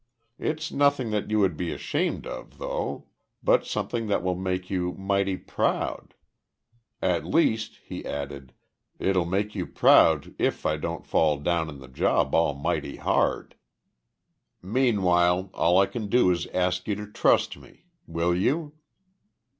It's nothing that you would be ashamed of, though, but something that will make you mighty proud. At least," he added, "It'll make you proud if I don't fall down on the job almighty hard. Meanwhile, all I can do is to ask you to trust me. Will you?"